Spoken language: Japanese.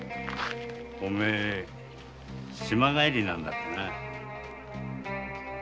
お前島帰りなんだってな。